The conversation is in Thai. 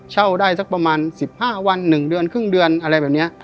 เช่าได้สักประมาณ๑๕วัน๑เดือนครึ่งเดือนอะไรแบบนี้